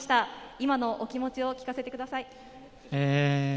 今のお気持ちを聞かせてください。